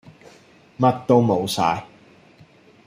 乜都冇曬